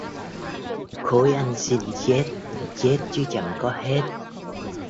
Khối Anh xin chết chết chứ chẳng có hết